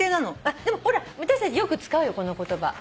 でもほら私たちよく使うよこの言葉。